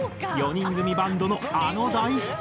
４人組バンドのあの大ヒット曲。